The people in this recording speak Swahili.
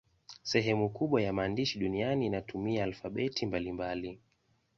Sehemu kubwa ya maandishi duniani inatumia alfabeti mbalimbali.